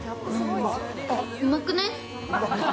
うまくね？